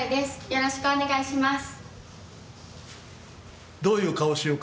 よろしくお願いします。